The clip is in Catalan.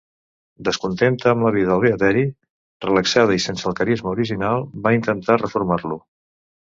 Descontenta amb la vida al beateri, relaxada i sense el carisma original, va intentar reformar-lo.